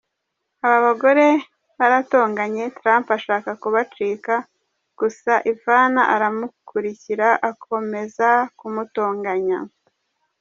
Aba bagore baratonganye, Trump ashaka kubacika gusa Ivana aramukurikira akomeza kumutonganya.